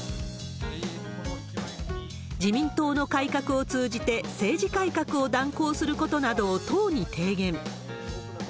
自民党の改革を通じて、政治改革を断行することなどを党に提言。